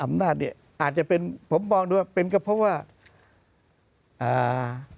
อำนาจเนี้ยอาจจะเป็นผมมองดูว่าเป็นก็เพราะว่าอ่า